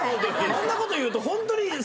そんなこと言うとホントに。